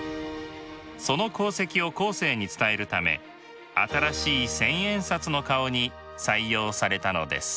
その功績を後世に伝えるため新しい千円札の顔に採用されたのです。